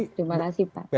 terima kasih pak